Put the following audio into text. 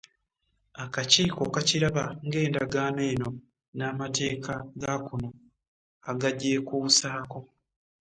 Akakiiko kakiraba ng’Endagaano eno n’amateeka ga kuno agagyekuusaako.